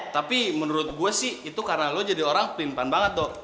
tapi menurut gue sih itu karena lo jadi orang pelimpan banget tuh